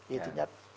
ý thứ nhất